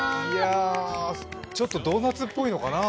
ちょっとドーナツっぽいのかな。